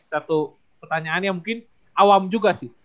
satu pertanyaan yang mungkin awam juga sih